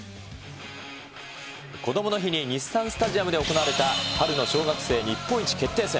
こどもの日に日産スタジアムで行われた春の小学生日本一決定戦。